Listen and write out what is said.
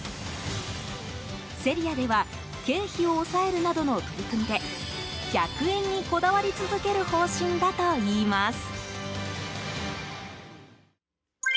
セリアでは経費を抑えるなどの取り組みで１００円にこだわり続ける方針だといいます。